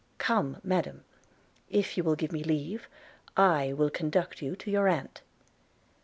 Come, Madam, if you will give me leave, I will conduct you to your aunt.'